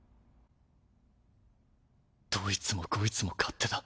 どいつもこいつも勝手だ。